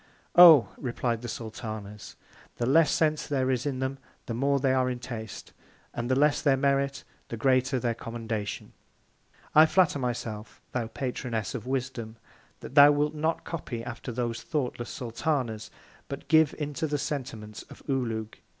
Oh! replied the Sultanas, the less Sense there is in them, the more they are in Taste; and the less their Merit, the greater their Commendation. I flatter my self, thou Patroness of Wisdom, that thou wilt not copy after those thoughtless Sultanas, but give into the Sentiments of OULOUG.